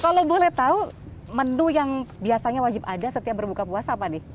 kalau boleh tahu menu yang biasanya wajib ada setiap berbuka puasa apa nih